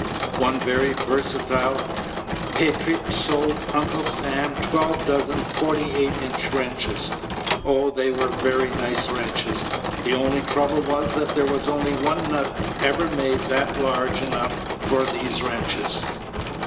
One very versatile patriot sold Uncle Sam twelve dozen 48 inch wrenches. Oh, they were very nice wrenches. The only trouble was that there was only one nut ever made that was large enough for these wrenches.